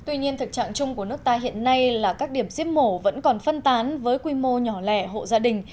tuy nhiên thực trạng chung của nước ta hiện nay là các điểm giết mổ vẫn còn phân tán với quy mô nhỏ lẻ hộ gia đình